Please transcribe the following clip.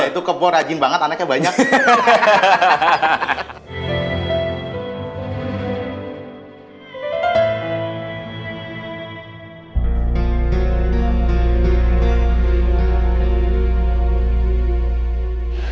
itu kebo rajin banget anaknya banyak